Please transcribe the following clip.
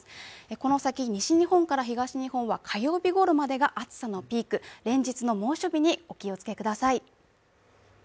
この先、西日本から東日本は火曜日ごろまでが暑さのピーク、連日の猛暑日にお気をつけください。